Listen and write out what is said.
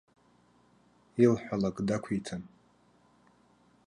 Илҳәалак дақәиҭын.